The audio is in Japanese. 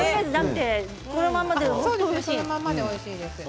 そのままでおいしいんです。